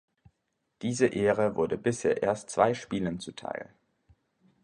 Diese Ehre wurde bisher erst zwei Spielern zuteil.